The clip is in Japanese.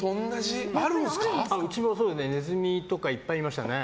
うちもネズミとかいっぱいいましたね。